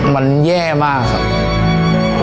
มันแย่มากครับ